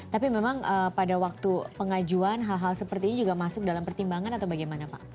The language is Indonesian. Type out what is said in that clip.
tapi memang pada waktu pengajuan hal hal seperti ini juga masuk dalam pertimbangan atau bagaimana pak